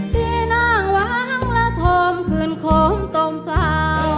ที่นางว้างและธมขึ้นโคมตมเศร้า